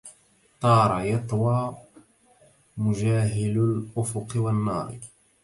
طار يطوى مجاهل الأفق والنار